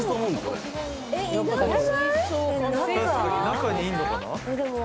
中にいんのかな？